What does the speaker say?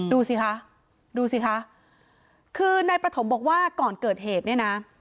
ดูสิคะดูสิคะคือนายประถมบอกว่าก่อนเกิดเหตุเนี่ยนะ